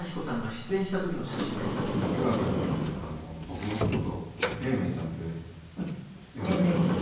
もう津川さんには僕の事を「エイメイちゃん」って呼んでくれて。